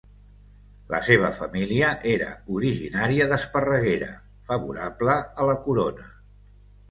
La seva família era originària d'Esparreguera favorable a la corona.